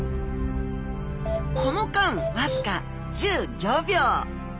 この間僅か１５秒。